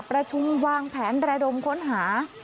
ประชุมวางแผนระดมค้นหา